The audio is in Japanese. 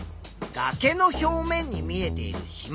がけの表面に見えているしま